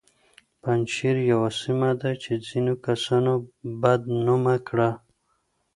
پنجشیر یوه سیمه ده چې ځینو کسانو بد نومه کړه